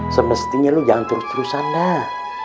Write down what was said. semestinya lu jangan terus terusan lah